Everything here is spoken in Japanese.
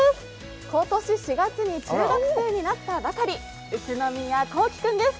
今年４月に中学生になったばかり、宇都宮聖君です。